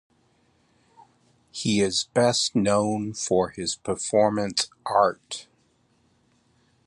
He is best known for his performance art.